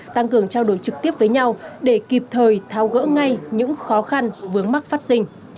tăng cường trao đổi trực tiếp với nhau để kịp thời tháo gỡ ngay những khó khăn vướng mắc phát sinh